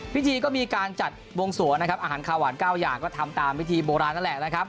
พิธีก็มีการจัดวงสวงนะครับอาหารคาวหวาน๙อย่างก็ทำตามพิธีโบราณนั่นแหละนะครับ